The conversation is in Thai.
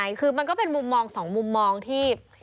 ใช่คือมันก็เป็นมุมมองสองมุมมองที่